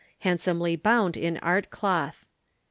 Handsomely bound in Art Cloth.